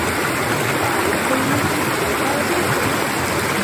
বারণ করিলেই কি ফল পাওয়া যাইত।